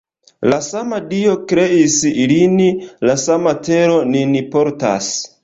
La sama Dio kreis ilin, la sama tero nin portas.